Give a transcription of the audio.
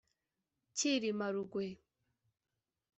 Cyilima Rugwe